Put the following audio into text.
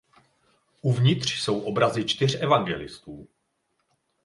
Uvnitř jsou obrazy čtyř evangelistů.